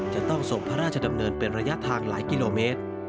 จะต้องส่งพระราชดำเนินเป็นระยะทางหลายกิโลเมตร